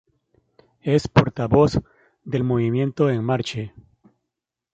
Es portavoz del movimiento En Marche!